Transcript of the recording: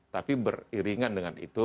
tapi beriringan dengan itu